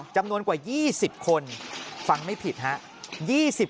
จำนวนกว่า๒๐คนฟังไม่ผิดครับ